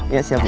iya siap bu